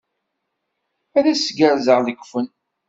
Ad s-gerrzeɣ lekfen.